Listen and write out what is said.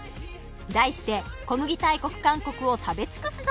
題して「小麦大国韓国を食べ尽くすぞ！